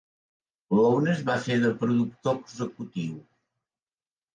Lownes va fer de productor executiu.